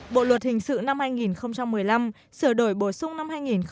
bộ luật hình sự năm hai nghìn một mươi năm sửa đổi bổ sung năm hai nghìn một mươi bảy